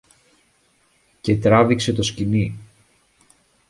και τράβηξε το σκοινί.